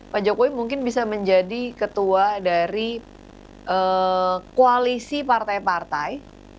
pak jokowi mungkin bisa menjadi ketua dari koalisi partai partai